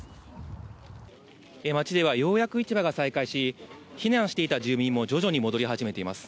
街ではようやく市場が再開し避難していた住民も徐々に戻り始めています。